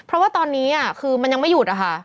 เพราะว่าตอนนี้คือมันยังไม่หยุดอะค่ะ